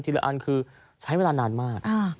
ละอันคือใช้เวลานานมาก